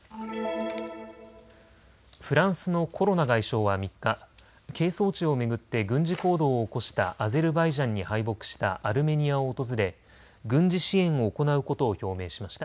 フランスのコロナ外相は３日、係争地を巡って軍事行動を起こしたアゼルバイジャンに敗北したアルメニアを訪れ軍事支援を行うことを表明しました。